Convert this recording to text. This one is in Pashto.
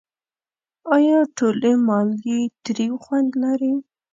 آیا ټولې مالګې تریو خوند لري؟